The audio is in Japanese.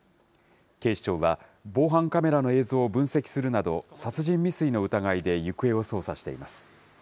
警視庁は、防犯カメラの映像を分析するなど、殺人未遂の疑いで行方を捜査しています。